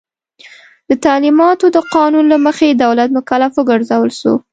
د تعلیماتو د قانون له مخي دولت مکلف وګرځول سو.